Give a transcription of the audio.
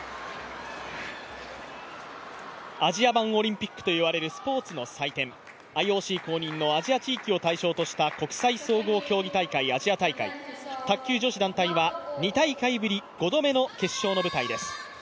アジア版オリンピックといわれるスポーツの祭典、ＩＯＣ公認のアジア地域を対象にした国際総合大会、アジア大会卓球女子団体は２大会ぶり５度目の決勝の舞台です。